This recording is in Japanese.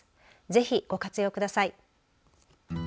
ぜひ、ご活用ください。